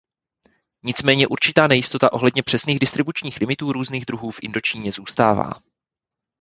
Nicméně určitá nejistota ohledně přesných distribučních limitů různých druhů v Indočíně zůstává.